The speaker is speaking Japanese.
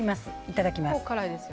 いただきます。